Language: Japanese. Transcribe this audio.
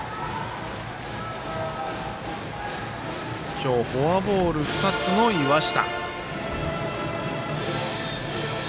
今日、フォアボール２つの岩下。